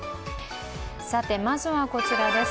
さて、まずはこちらです。